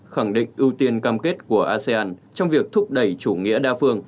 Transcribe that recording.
khẳng định ưu tiên cam kết của asean trong việc thúc đẩy chủ nghĩa đa phương